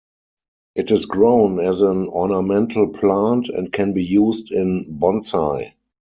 It is grown as an ornamental plant and can be used in bonsai.